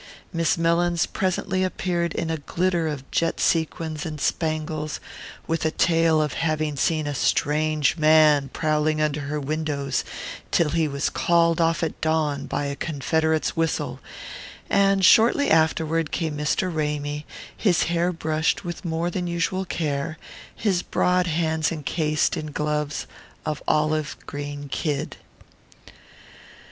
Miss Mellins presently appeared in a glitter of jet sequins and spangles, with a tale of having seen a strange man prowling under her windows till he was called off at dawn by a confederate's whistle; and shortly afterward came Mr. Ramy, his hair brushed with more than usual care, his broad hands encased in gloves of olive green kid.